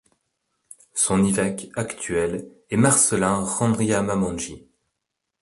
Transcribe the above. Son évêque actuel est Marcellin Randriamamonjy.